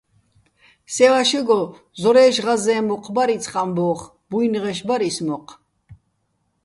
სე ვაშეგო ზორაჲში̆ ღაზე́ნ მოჴ ბარ იცხ ამბო́ხ, ბუ́ჲნღეშ ბარ ის მოჴ.